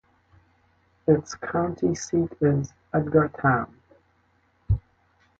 Its county seat is Edgartown.